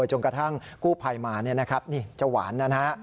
จนกระทั่งกู้ภัยมานี่เจ้าหวานนะฮะ